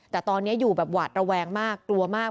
แต่ตอนนี้อยู่แบบหวาดระแวงมากกลัวมาก